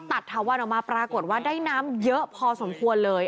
ถาวันออกมาปรากฏว่าได้น้ำเยอะพอสมควรเลย